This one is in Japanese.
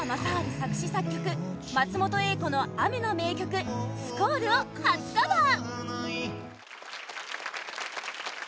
作詞・作曲松本英子の雨の名曲「Ｓｑｕａｌｌ」を初カバー！